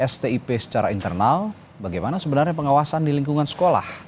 stip secara internal bagaimana sebenarnya pengawasan di lingkungan sekolah